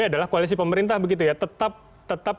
adalah koalisi pemerintah begitu ya tetap